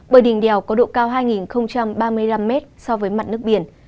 bởi đỉnh đèo có độ cao hai ba mươi năm m so với mặt nước biển